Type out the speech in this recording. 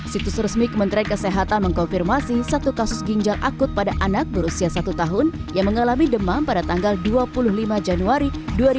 situs resmi kementerian kesehatan mengkonfirmasi satu kasus ginjal akut pada anak berusia satu tahun yang mengalami demam pada tanggal dua puluh lima januari dua ribu dua puluh